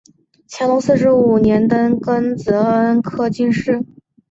乾隆四十五年登庚子恩科进士。